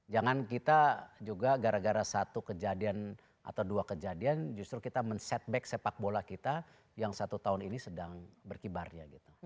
jangan kita juga gara gara satu kejadian atau dua kejadian justru kita men setback sepak bola kita yang satu tahun ini sedang berkibarnya gitu